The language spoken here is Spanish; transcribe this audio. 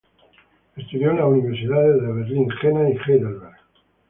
Estudió en las universidades de Berlín, Jena y Heidelberg.